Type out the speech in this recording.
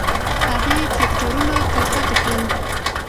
هغې کرکټرونه تلپاتې کړل.